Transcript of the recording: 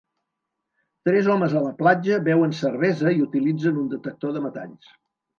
Tres homes a la platja beuen cervesa i utilitzen un detector de metalls.